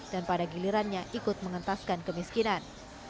pada gilirannya ikut mengentaskan kemiskinan